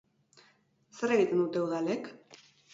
Zer egiten dute udalek?